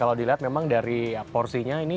kalau dilihat memang dari porsinya ini